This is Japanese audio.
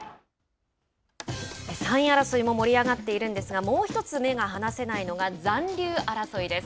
３位争いも盛り上がっているんですがもう一つ目が離せないのが、残留争いです。